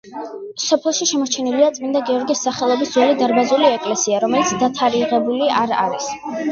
სოფელში შემორჩენილია წმინდა გიორგის სახელობის ძველი დარბაზული ეკლესია, რომელიც დათარიღებული არ არის.